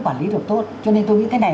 quản lý được tốt cho nên tôi nghĩ cái này